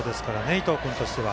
伊藤君としては。